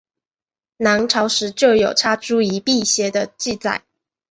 南朝时就有插茱萸辟邪的记载。